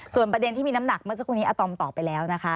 ส่วนประเด็นที่มีน้ำหนักเมื่อสักครู่นี้อาตอมตอบไปแล้วนะคะ